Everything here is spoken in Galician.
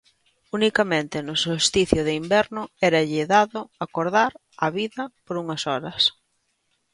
Unicamente no solsticio de inverno éralle dado acordar á vida por unhas horas.